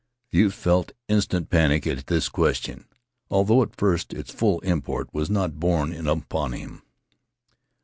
The youth felt instant panic at this question, although at first its full import was not borne in upon him.